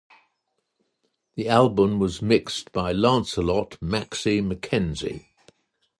The album was mixed by Lancelot "Maxie" McKenzie.